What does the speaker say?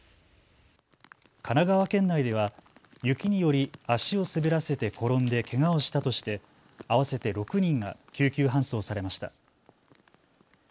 神奈川県内では雪により足を滑らせて転んでけがをしたとして合わせて６人が救急搬送されました。